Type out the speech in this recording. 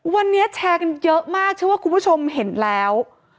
วันนี้แชร์กันเยอะมากเชื่อว่าคุณผู้ชมเห็นแล้ว